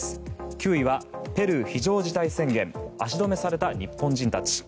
９位は、ペルー非常事態宣言足止めされた日本人たち。